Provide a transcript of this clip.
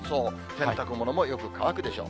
洗濯物もよく乾くでしょう。